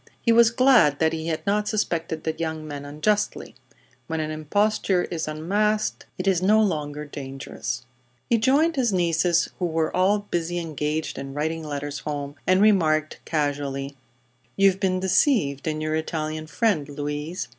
He was glad that he had not suspected the young man unjustly. When an imposture is unmasked it is no longer dangerous. He joined his nieces, who were all busily engaged in writing letters home, and remarked, casually: "You've been deceived in your Italian friend, Louise.